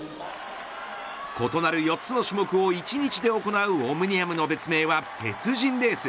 異なる４つの種目を１日で行うオムニアムの別名は鉄人レース。